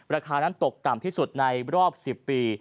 ราคานั้นตกต่ำที่สุดในรอบ๑๐ปี